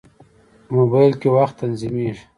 موبایل کې وخت تنظیمېږي.